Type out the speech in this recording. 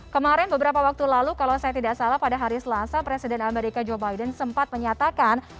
kemarin beberapa waktu lalu kalau saya tidak salah pada hari selasa presiden amerika joe biden sempat menyatakan